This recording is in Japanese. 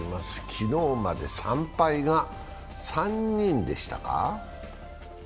昨日まで３敗が３人でしたか。